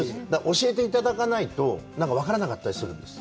教えていただかないと分からなかったりするんですよ。